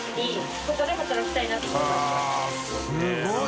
すごい。